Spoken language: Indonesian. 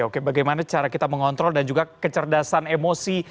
oke bagaimana cara kita mengontrol dan juga kecerdasan emosi